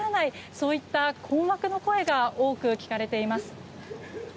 そういった困惑の声が多く聞かれています。